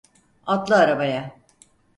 Atla arabaya.